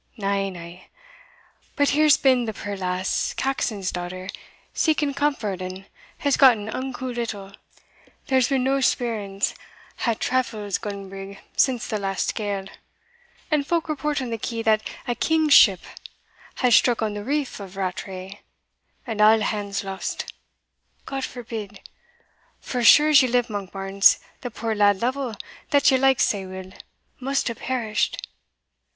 Na, na! But here's been the puir lass, Caxon's daughter, seeking comfort, and has gotten unco little there's been nae speerings o' Taffril's gunbrig since the last gale; and folk report on the key that a king's ship had struck on the Reef of Rattray, and a' hands lost God forbid! for as sure as you live, Monkbarns, the puir lad Lovel, that ye liked sae weel, must have perished."